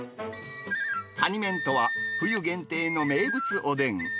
カニ面とは、冬限定の名物おでん。